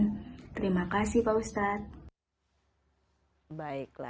terima kasih pak ustadz